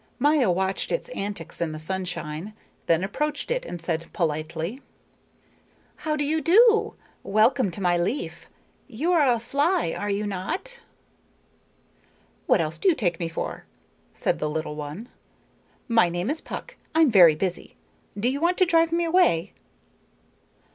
Maya watched its antics in the sunshine, then approached it and said politely: "How do you do? Welcome to my leaf. You are a fly, are you not?" "What else do you take me for?" said the little one. "My name is Puck. I am very busy. Do you want to drive me away?"